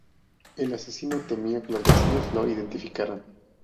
El asesino temía que los vecinos lo identificaran.